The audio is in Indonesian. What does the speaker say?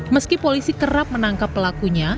meski polisi kerap menangkap pelakunya